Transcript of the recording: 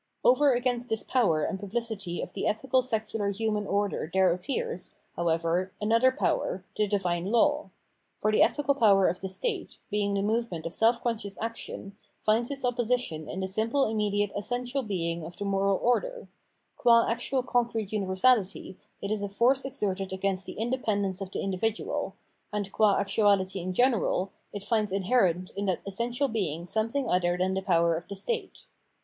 Over against this power and publicity of the ethical secular human order there appears, however, another power, the Divine Law. For the ethical power of the state, being the movement of self conscious action, finds its opposition in the simple immediate essen tial being of the moral order ; qua actual concrete universahty, it is a force exerted against the indepen dence of the individual ; and, qua actuality in general, it finds inherent in that essential being something other than the power of the state.